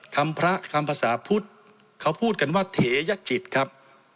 พระคำภาษาพุทธเขาพูดกันว่าเถยจิตครับ